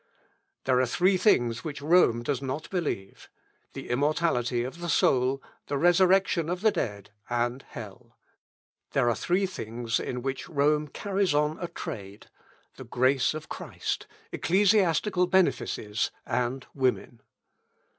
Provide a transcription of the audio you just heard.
There are three things which Rome does not believe, the immortality of the soul, the resurrection of the dead, and hell. There are three things in which Rome carries on a trade, the grace of Christ, ecclesiastical benefices, and women."